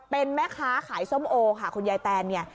เป็นแม่ค้าขายส้มโอค่ะคุณยายแตนเนี่ย